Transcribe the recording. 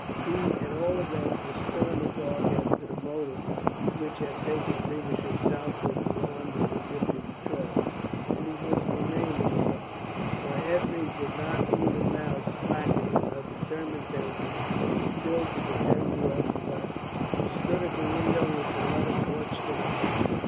He at all events was still in the dark as to the motive which had taken Feversham southward beyond the Egyptian patrols. And he must remain in the dark. For Ethne did not even now slacken in her determination still to pretend to have forgotten. She stood at the window with the letter clenched in her hand.